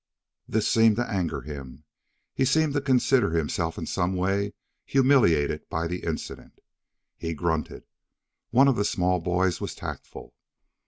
This seemed to anger him. He seemed to consider himself in some way humiliated by the incident. He grunted. One of the small boys was tactful.